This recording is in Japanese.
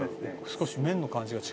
少し麺の感じが違う。